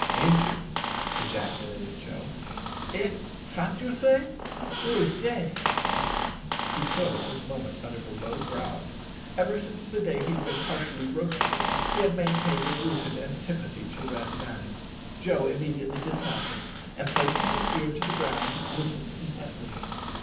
"Injuns!" ejaculated Joe. "Eh! fat you say? Ou is dey?" Crusoe at this moment uttered a low growl. Ever since the day he had been partially roasted he had maintained a rooted antipathy to Red men. Joe immediately dismounted, and placing his ear to the ground listened intently.